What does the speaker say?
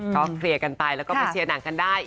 ก็เคลียร์กันไปแล้วก็มาเชียร์หนังกันได้